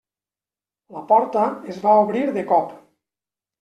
La porta es va obrir de cop.